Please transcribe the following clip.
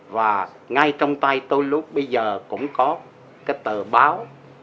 và ngay trong tay tôi lúc bây giờ cũng có cái tờ báo